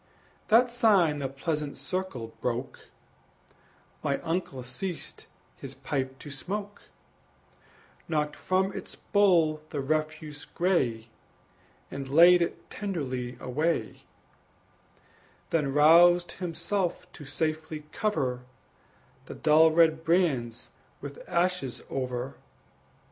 That sign the pleasant circle broke My uncle ceased his pipe to smoke, Knocked from its bowl the refuse gray, And laid it tenderly away, Then roused himself to safely cover The dull red brands with ashes over.